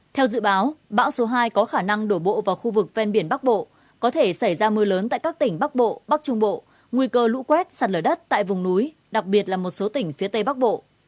theo dự báo bão số hai có khả năng đổ bộ vào khu vực ven biển bắc bộ có thể xảy ra mưa lớn tại các tỉnh bắc bộ bắc trung bộ nguy cơ lũ quét sạt lở đất tại vùng núi đặc biệt là một số tỉnh phía tây bắc bộ